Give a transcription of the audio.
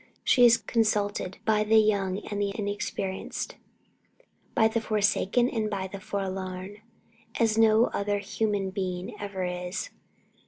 She is consulted by the young and the inexperienced, by the forsaken and by the forlorn, as no other human being ever is.